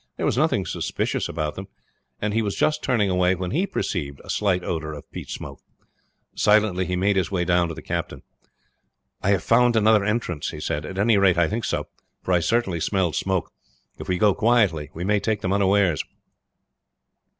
There was nothing suspicious about them, and he was just turning away when he perceived a slight odor of peat smoke. Silently he made his way down to the captain. "I have found another entrance," he said. "At any rate I think so; for I certainly smelled smoke. If we go quietly we may take them unawares."